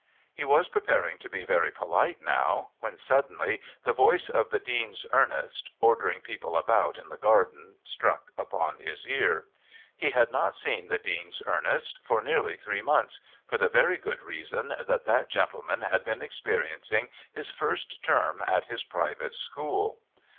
He was preparing to be very polite now, when suddenly the voice of the Dean's Ernest ordering people about in the garden struck upon his ear. He had not seen the Dean's Ernest for nearly three months, for the very good reason that that gentleman had been experiencing his first term at his private school.